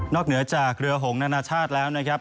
เหนือจากเรือหงนานาชาติแล้วนะครับ